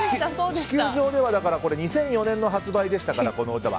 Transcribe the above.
地球上では２００４年の発売でしたからこの歌は。